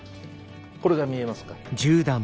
これが見えますか？